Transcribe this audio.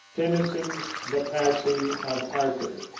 Tennyson's "The Passing of Arthur."